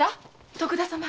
徳田様